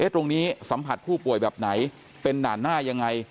ตรงนี้สัมผัสผู้ป่วยแบบไหนเป็นด่านหน้ายังไง